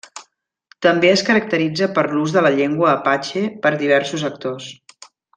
També es caracteritza per l'ús de la llengua apatxe per diversos actors.